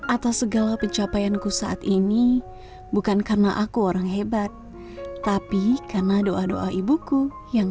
atas segala pencapaianku saat ini bukan karena aku orang hebat tapi karena doa doa ibuku yang